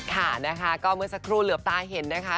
ค่ะนะคะก็เมื่อสักครู่เหลือบตาเห็นนะคะ